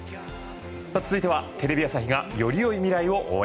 続いてはテレビ朝日がより良い未来を応援。